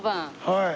はい。